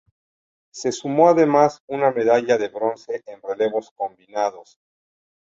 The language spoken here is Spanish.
Se sumó, además, una medalla de bronce en relevos combinados.